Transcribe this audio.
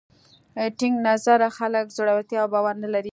تنګ نظره خلک زړورتیا او باور نه لري